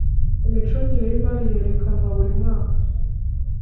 Imicungire y imari yerekanwa buri mwaka